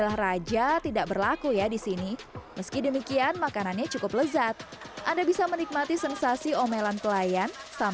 karena gak terlalu kelihatan kayak ekspresinya gak terlalu marah marah banget